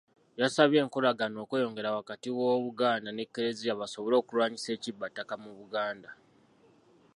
Yasabye enkolagana okweyongera wakati w'Obuganda n'Eklezia, basobole okulwanyisa ekibbattaka mu Buganda.